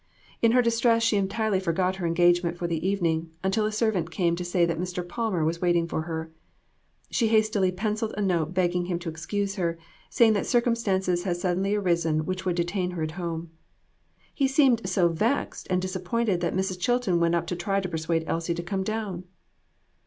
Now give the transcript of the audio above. In her distress she entirely forgot her engage ment for the evening, until a servant came to say that Mr. Palmer was waiting for her. She hastily penciled a note begging him to excuse her, saying that circumstances had suddenly arisen which would detain her at home. He seemed so vexed and disappointed that Mrs. Chilton went up to try to persuade Elsie to come down.